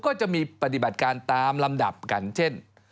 ปฏิบัติการตามลำดับกันเช่น